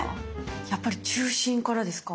やっぱり中心からですか？